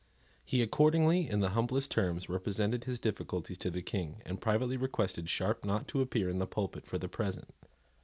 He accordingly, in the humblest terms, represented his difficulties to the King, and privately requested Sharp not to appear in the pulpit for the present.